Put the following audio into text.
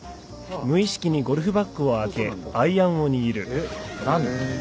えっ？何？へ。